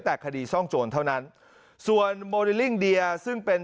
แต่คดีซ่องโจรเท่านั้นส่วนโมเดลลิ่งเดียซึ่งเป็น